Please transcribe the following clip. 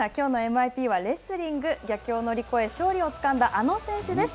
さあ、きょうのＭＩＰはレスリング、逆境を乗り越え、勝利をつかんだあの選手です。